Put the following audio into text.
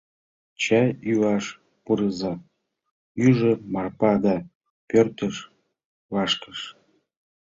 — Чай йӱаш пурыза, — ӱжӧ Марпа да пӧртыш вашкыш.